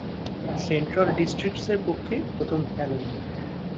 Central ডিস্ট্রিক্টসের পক্ষে প্রথম খেলেন।